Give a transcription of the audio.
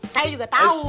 saya juga tau